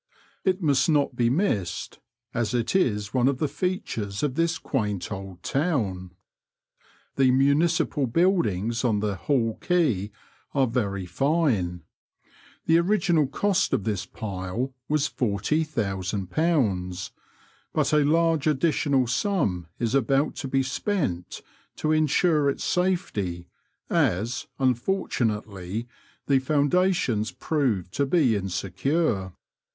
It must not be missed, as it is one of the features of this quaint old town. The municipal buildings on the Hall Quay are very fine. The original cost of this pile was £40,000, but a large additional sum is about to be spent to ensure its safety, as, unfortunately, the foundations proved to be insecure.